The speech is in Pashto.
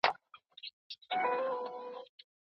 په مناظره او څېړنه کې لوی توپیر شتون لري.